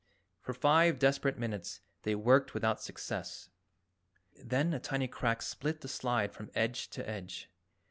For five desperate minutes they worked without success, then a tiny crack split the slide from edge to edge.